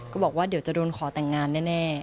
ก็บอกว่าเดี๋ยวจะโดนขอแต่งงานแน่